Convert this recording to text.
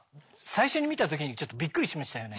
最初に見た時にちょっとびっくりしましたよね。